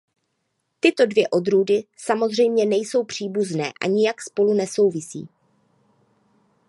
Tyto dvě odrůdy samozřejmě nejsou příbuzné a nijak spolu nesouvisí.